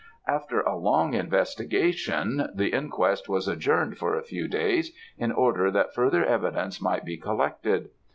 "After a long investigation, the inquest was adjourned for a few days in order that further evidence might be collected.